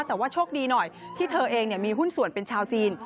แต่ว่าโชคดีหน่อยที่เธอเองมีหุ้นส่วนเป็นชาวจีน